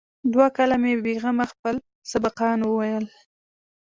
دوه کاله مې بې غمه خپل سبقان وويل.